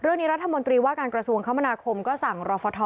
เรื่องนี้รัฐมนตรีว่าการกระทรวงคมนาคมก็สั่งรอฟท